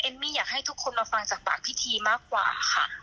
อยากให้ทุกคนมาฟังจากปากพิธีมากกว่าค่ะ